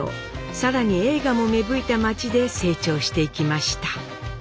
更に映画も芽吹いた街で成長していきました。